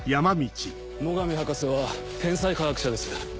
最上博士は天才科学者です。